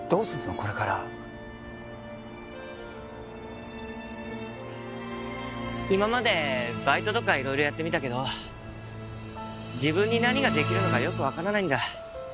これから今までバイトとか色々やってみたけど自分に何ができるのかよく分からないんだ